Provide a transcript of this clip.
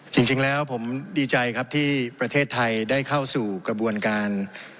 จริงแล้วผมดีใจครับที่ประเทศไทยได้เข้าสู่กระบวนการ